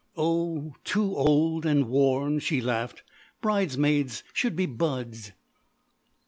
"Oh, too old and worn," she laughed. "Bridesmaids should be buds."